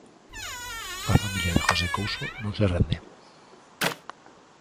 A familia de José Couso non se rende.